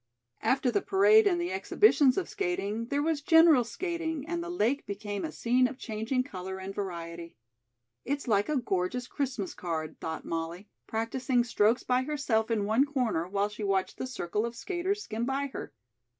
After the parade and the exhibitions of skating, there was general skating and the lake became a scene of changing color and variety. "It's like a gorgeous Christmas card," thought Molly, practicing strokes by herself in one corner while she watched the circle of skaters skim by her.